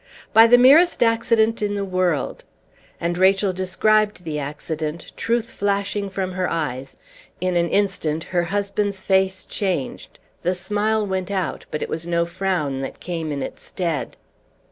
"By the merest accident in the world!" And Rachel described the accident, truth flashing from her eyes; in an instant her husband's face changed, the smile went out, but it was no frown that came in its stead.